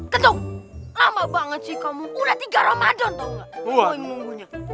gendut lama banget sih kamu udah tiga ramadan tau gak